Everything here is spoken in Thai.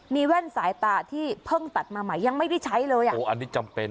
มีแว่นสายตาที่เพิ่งตัดมาใหม่ยังไม่ได้ใช้เลยอ่ะโอ้อันนี้จำเป็น